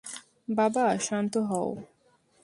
বাবা, শান্ত হও।